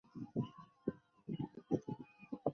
许衡生于金卫绍王大安元年九月丙寅。